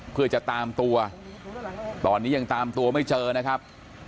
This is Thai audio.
เพื่อจะตามตัวตอนนี้ยังตามตัวไม่เจอนะครับ